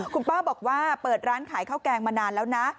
คุณป้าบอกว่าเปิดร้านขายข้าวแกงมานานแล้วนะ